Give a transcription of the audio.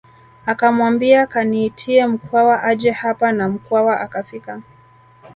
Akamwambia kaniitie Mkwawa aje hapa na Mkwawa akafika